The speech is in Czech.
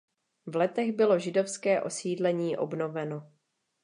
V letech bylo židovské osídlení obnoveno.